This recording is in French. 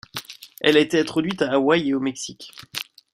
Elle a été introduite à Hawaï et au Mexique.